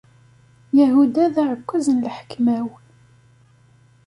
Yahuda, d aɛekkaz n lḥekma-w.